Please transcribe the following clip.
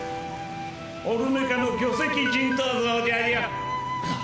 オルメカの巨石人頭像じゃよ。